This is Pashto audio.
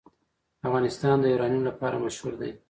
افغانستان د یورانیم لپاره مشهور دی.